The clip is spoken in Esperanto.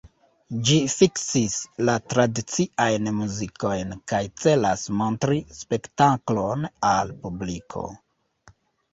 Ĝi fiksis la tradiciajn muzikojn kaj celas montri spektaklon al publiko.